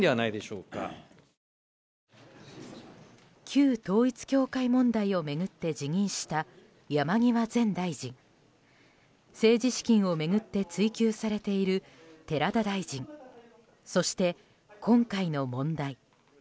旧統一教会問題を巡って辞任した山際前大臣政治資金を巡って追及されている寺田大臣そして、今回の問題。